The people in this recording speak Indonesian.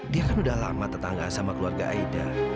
dia kan udah lama tetangga sama keluarga aida